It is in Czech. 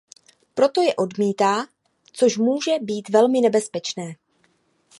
Proto je odmítá, což může být velmi nebezpečné.